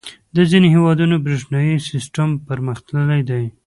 • د ځینو هېوادونو برېښنايي سیسټم پرمختللی دی.